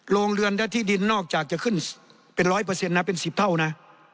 โรงเรือนและที่ดินนอกจากจะขึ้นเป็นร้อยเปอร์เซ็นต์นะเป็นสิบเท่านะ